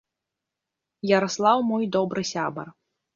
Яраслаў мой добры сябар.